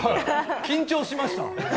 緊張しました。